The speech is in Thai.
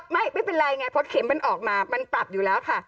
ไม่เป็นไรไงเพราะเข็มมันออกมามันปรับอยู่แล้วค่ะ